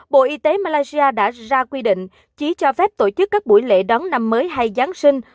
bộ y tế malaysia đã ra quy định chỉ cho phép tổ chức các buổi lễ đón năm mới hay giáng sinh